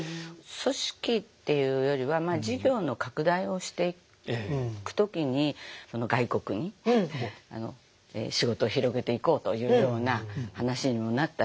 組織っていうよりはまあ事業の拡大をしていく時に外国に仕事を広げていこうというような話にもなったりして。